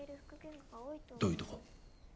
どういうとこ？